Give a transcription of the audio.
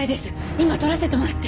今撮らせてもらって。